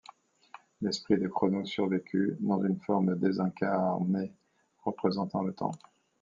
L'esprit de Chronos survécut dans une forme désincarnée, représentant le Temps.